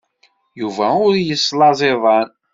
Yuba ur yeslaẓ iḍan.